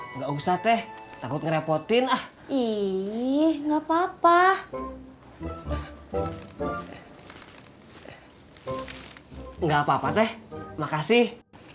enggak usah teh takut ngerepotin ah ih enggak papa enggak papa teh makasih